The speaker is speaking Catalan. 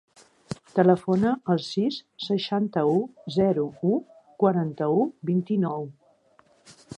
Telefona al sis, seixanta-u, zero, u, quaranta-u, vint-i-nou.